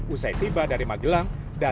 usai tiba dari magelang